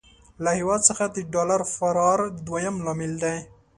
له هېواد څخه د ډالر فرار دويم لامل دی.